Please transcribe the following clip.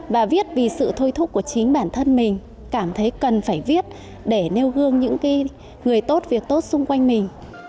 bà viết vì sự thôi thúc của chính bản thân mình cảm thấy cần phải viết để nêu gương những người tốt việc tốt xung quanh mình